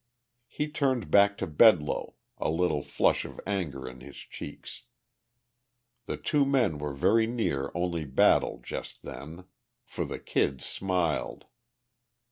He turned back to Bedloe, a little flush of anger in his cheeks. The two men were very near only battle just then. For the Kid smiled.